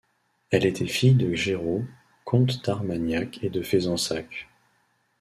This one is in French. Elle était fille de Géraud, comte d'Armagnac et de Fézensac.